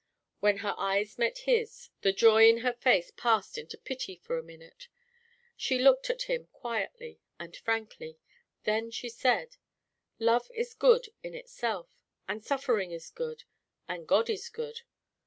When her eyes met his, the joy in her face passed into pity for a minute; she looked at him quietly and frankly; then she said: "Love is good in itself, and suffering is good, and God is good.